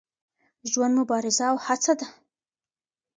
ژوند مبارزه او هڅه ده.